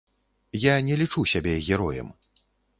Я не лічу сябе героем.